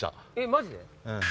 マジで？